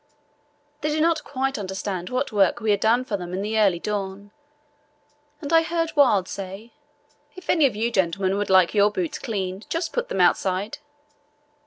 They did not quite understand what work we had done for them in the early dawn, and I heard Wild say, "If any of you gentlemen would like your boots cleaned just put them outside."